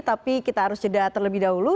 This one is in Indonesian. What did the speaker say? tapi kita harus jeda terlebih dahulu